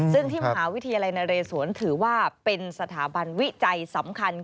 ซึ่งที่มหาวิทยาลัยนเรศวรถือว่าเป็นสถาบันวิจัยสำคัญ